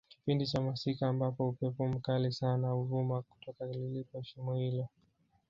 kipindi cha masika ambapo upepo mkali sana huvuma kutoka lilipo shimo hilo